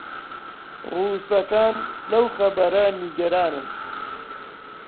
ڕووسەکان لەو خەبەرە نیگەرانن